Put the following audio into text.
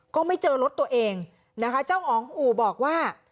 ก็ไม่เจอรถตัวเองนะคะเจ้าของอู่บอกว่า